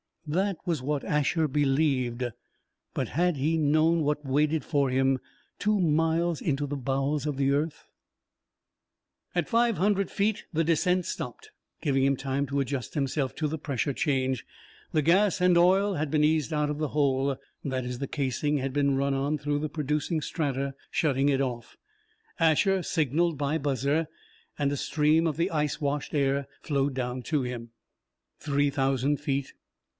That was what Asher believed. But, had he known what waited for him, two miles into the bowels of the earth.... At five hundred feet, the descent stopped, giving him time to adjust himself to the pressure change. The gas and oil had been eased out of the hole. That is, the casing had been run on through the producing strata, shutting it off. Asher signaled by buzzer, and a stream of the ice washed air flowed down to him. Three thousand feet!